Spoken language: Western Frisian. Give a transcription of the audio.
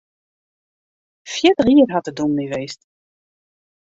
Fjirtich jier hat er dûmny west.